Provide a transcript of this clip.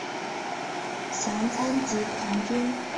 详参集团军。